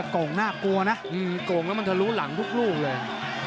โก่งน่ากลัวนะโก่งแล้วมันทะลุหลังทุกลูกเลย